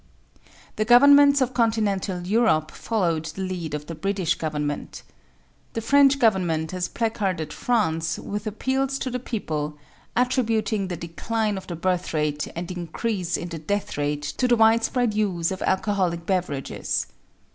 The Governments of continental Europe followed the lead of the British Government. The French Government has placarded France with appeals to the people, attributing the decline of the birth rate and increase in the death rate to the widespread use of alcoholic beverages.